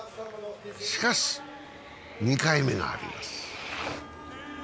しかし２回目があります。